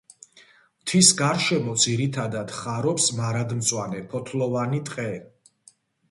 მთის გარშემო ძირითადად ხარობს მარადმწვანე ფოთლოვანი ტყე.